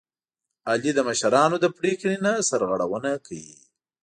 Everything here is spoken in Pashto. علي د مشرانو له پرېکړې نه سرغړونه کوي.